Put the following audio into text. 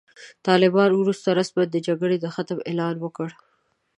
طالبانو وروسته رسماً د جګړې د ختم اعلان وکړ.